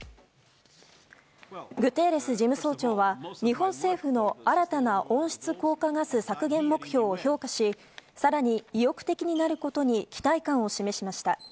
グテーレス事務総長は日本政府の新たな温室効果ガス削減目標を評価し更に意欲的になることに期待感を示しました。